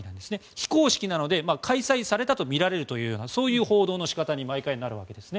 非公式なので開催されたとみられるというそういう報道の仕方に毎回なるわけですね。